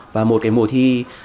và một cái mùa thi